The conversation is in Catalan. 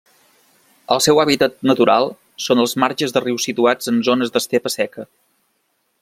El seu hàbitat natural són els marges de rius situats en zones d'estepa seca.